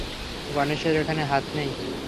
গণেশের এখানে হাত নেই!